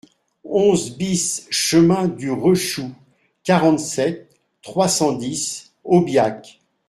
onze BIS chemin du Rechou, quarante-sept, trois cent dix, Aubiac